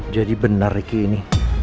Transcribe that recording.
jadi benar riki ini